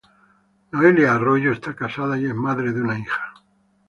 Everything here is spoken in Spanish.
Noelia Arroyo está casada y es madre de una hija.